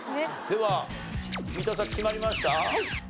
では三田さん決まりました？